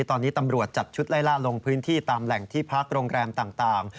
ตอนนี้ตำรวจจัดชุดไล่ล่าลงพื้นที่ตามแหล่งที่พักโรงแรมต่าง